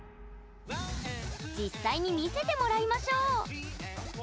実際に見せてもらいましょう。